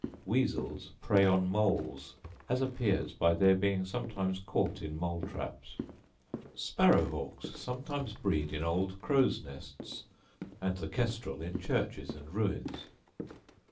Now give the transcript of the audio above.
Weasels prey on moles, as appears by their being sometimes caught in mole traps. Sparrow hawks sometimes breed in old crows' nests, and the kestrel in churches and ruins.